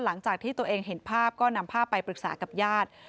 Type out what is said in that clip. หลังจากที่ตัวเองเห็นภาพก็นำภาพไปปรึกษากับญาติ